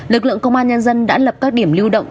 lực lượng công an nhân dân đã lập các điểm lưu động